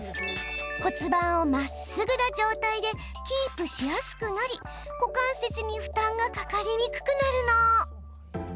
骨盤をまっすぐな状態でキープしやすくなり股関節に負担がかかりにくくなるの。